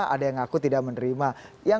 ada yang aku tidak menerima